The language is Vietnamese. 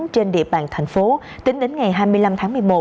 trên địa bàn thành phố tính đến ngày hai mươi năm tháng một mươi một